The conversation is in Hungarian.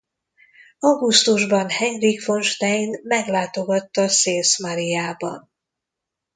Augusztusban Heinrich von Stein meglátogatta Sils-Mariában.